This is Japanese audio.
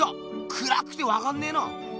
くらくてわかんねえな！